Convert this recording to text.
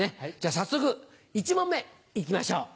早速１問目行きましょう。